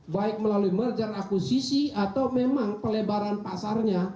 baik melalui merger akusisi atau memang pelebaran pasarnya